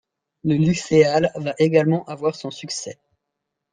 Le luthéal va également avoir son succès.